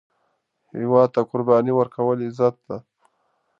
هیواد ته قرباني ورکول، عزت دی